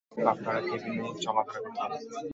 আপনারা কেবিনে চলাফেরা করতে পারেন।